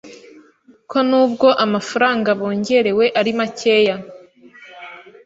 ko n’ubwo amafaranga bongerewe ari makeya